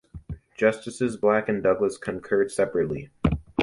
Justices Black and Douglas concurred separately.